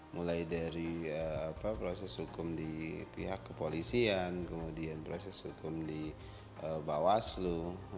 mulai dari proses hukum di pihak kepolisian kemudian proses hukum di bawaslu